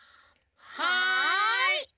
はい！